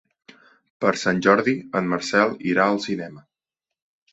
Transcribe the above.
Per Sant Jordi en Marcel irà al cinema.